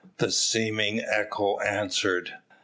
the seeming echo answered.